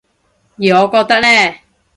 而我覺得呢